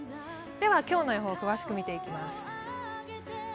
今日の予報詳しく見ていきます。